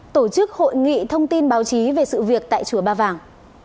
tổ chức hội nghị thông tin báo chí về sự việc tại chùa ba vàng